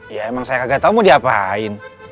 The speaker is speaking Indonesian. ya emang saya gak tau mau diapain